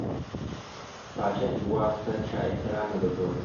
پاچهي واک ته چا احترام نه درلود.